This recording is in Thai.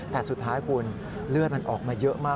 แต่สุดท้ายคุณเลือดมันออกมาเยอะมาก